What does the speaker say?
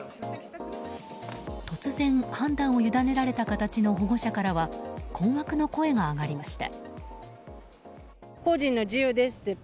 突然、判断を委ねられた形の保護者からは困惑の声が上がりました。